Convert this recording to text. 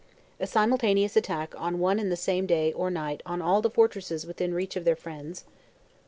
A simultaneous attack on one and the same day or night on all the fortresses within reach of their friends.